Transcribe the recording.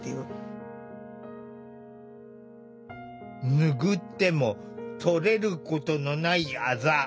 拭っても取れることのないあざ。